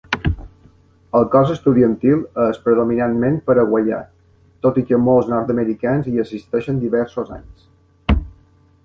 El cos estudiantil és predominantment paraguaià, tot i que molts nord-americans hi assisteixen diversos anys.